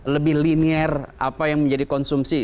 lebih linear apa yang menjadi konsumsi